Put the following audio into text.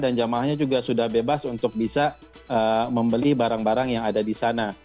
dan jamaahnya juga sudah bebas untuk bisa membeli barang barang yang ada disana